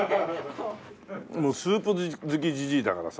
もうスープ好きじじいだからさ。